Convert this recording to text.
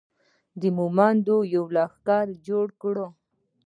د مومندو یو لښکر یې جوړ کړ.